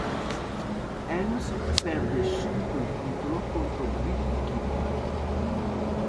Helms perde subito il titolo contro Billy Kidman.